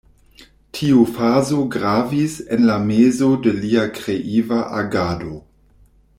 Tiu fazo gravis en la mezo de lia kreiva agado.